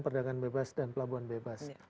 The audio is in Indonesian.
perdagangan bebas dan pelabuhan bebas